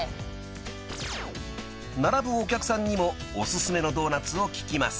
［並ぶお客さんにもおすすめのドーナツを聞きます］